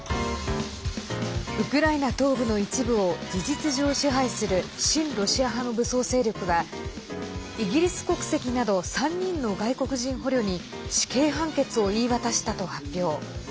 ウクライナ東部の一部を事実上支配する親ロシア派の武装勢力はイギリス国籍など３人の外国人捕虜に死刑判決を言い渡したと発表。